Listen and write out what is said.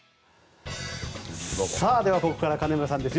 では、ここからは金村さんです。